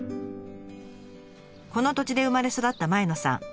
この土地で生まれ育った前野さん。